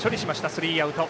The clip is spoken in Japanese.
スリーアウト。